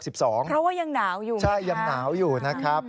เพราะว่ายังหนาวอยู่นะคะ